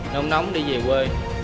nóng nóng đi về quê